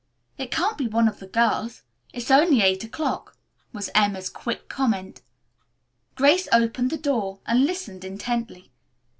"It can't be one of the girls. It's only eight o'clock," was Emma's quick comment. Grace opened the door and listened intently.